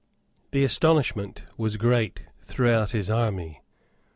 The astonishment was great throughout his army.